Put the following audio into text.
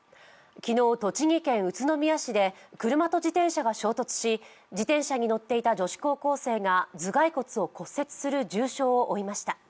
昨日、栃木県宇都宮市で車と自転車が衝突し自転車に乗っていた女子高校生が頭がい骨を骨折する重傷を負いました。